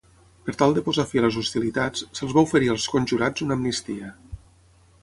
Per tal de posar fi a les hostilitats, se'ls va oferir als conjurats una amnistia.